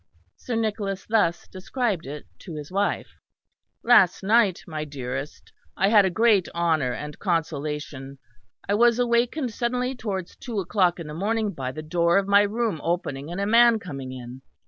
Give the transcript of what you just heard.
Sir Nicholas thus described it to his wife. "Last night, my dearest, I had a great honour and consolation. I was awakened suddenly towards two o'clock in the morning by the door of my room opening and a man coming in.